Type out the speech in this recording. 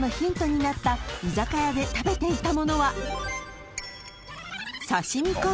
なった居酒屋で食べていたものは］